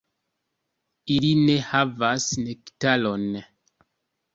Ili ne havas nektaron.